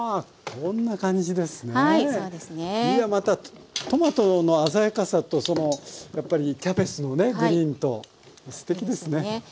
いやまたトマトの鮮やかさとやっぱりキャベツのねグリーンとすてきですね。